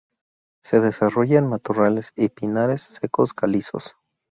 Se desarrolla en matorrales y pinares secos calizos.